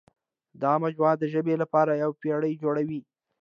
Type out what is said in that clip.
دا مجموعه د ژبې لپاره یوه پېړۍ جوړوي.